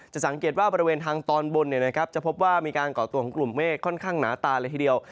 สังเกตว่าบริเวณทางตอนบนจะพบว่ามีการก่อตัวของกลุ่มเมฆค่อนข้างหนาตาเลยทีเดียว